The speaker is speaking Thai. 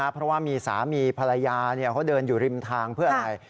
เพราะว่ามีสามีภรรยาเขาเดินอยู่ริมทางเพื่ออะไร